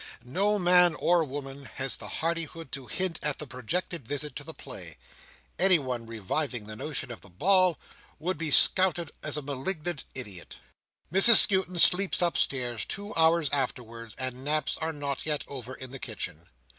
No man or woman has the hardihood to hint at the projected visit to the play. Anyone reviving the notion of the ball, would be scouted as a malignant idiot. Mrs Skewton sleeps upstairs, two hours afterwards, and naps are not yet over in the kitchen.